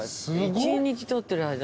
１日撮ってる間に。